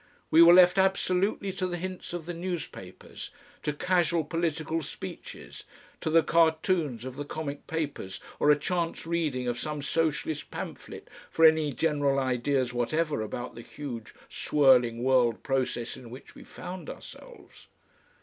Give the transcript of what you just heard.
We were left absolutely to the hints of the newspapers, to casual political speeches, to the cartoons of the comic papers or a chance reading of some Socialist pamphlet for any general ideas whatever about the huge swirling world process in which we found ourselves.